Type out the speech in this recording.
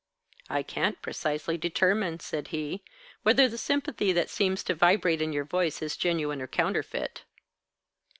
"I can't precisely determine," said he, "whether the sympathy that seems to vibrate in your voice is genuine or counterfeit."